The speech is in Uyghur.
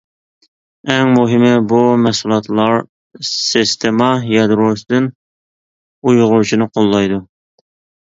ئەڭ مۇھىمى بۇ مەھسۇلاتلار سىستېما يادروسىدىن ئۇيغۇرچىنى قوللايدۇ.